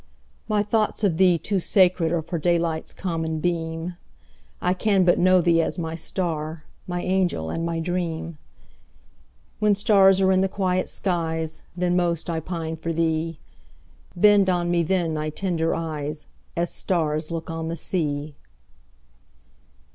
My thoughts of thee too sacred areFor daylight's common beam:I can but know thee as my star, My angel and my dream; When stars are in the quiet skies, Then most I pine for thee; Bend on me then thy tender eyes, As stars look on the sea!